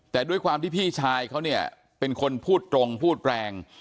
แต่ด้วยความที่พี่ชายเขาเนี่ยเป็นคนพูดตรงพูดแรง